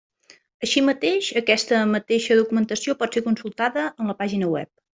Així mateix aquesta mateixa documentació pot ser consultada en la pàgina web.